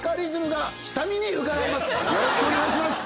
よろしくお願いします。